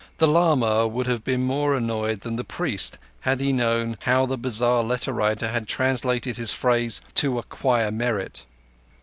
The lama would have been more annoyed than the priest had he known how the bazar letter writer had translated his phrase "to acquire merit."